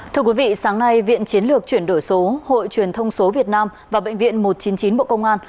thưa quý vị sáng nay viện chiến lược chuyển đổi số hội truyền thông số việt nam và bệnh viện một trăm chín mươi chín bộ công an